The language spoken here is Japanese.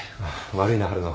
悪いな春野。